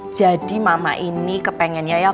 jadi mama ini kepengennya ya